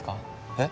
えっ？